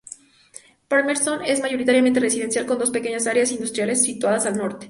Palmerston es mayoritariamente residencial con dos pequeñas áreas industriales situadas al norte.